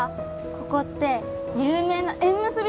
ここって有名な縁結び